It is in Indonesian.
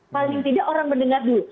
paling tidak orang mendengar dulu